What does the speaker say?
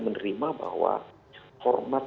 menerima bahwa format